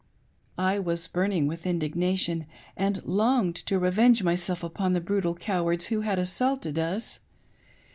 I was burning with indignation, and longed to revenge myself upon the brutal cowards who had assaulted us.